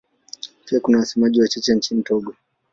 Pia kuna wasemaji wachache nchini Togo.